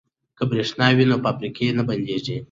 که بریښنا وي نو فابریکې نه بندیږي.